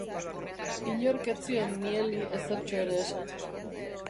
Inork ez zion Mieli ezertxo ere esan.